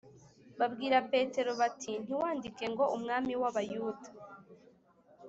Babwira Pilato bati Ntiwandike ngo Umwami w’Abayuda